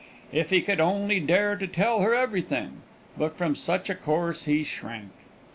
If he could only dare to tell her everything; but from such a course he shrank.